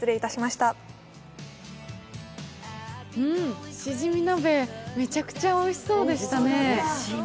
しじみ鍋、めちゃくちゃおいしそうでしたね。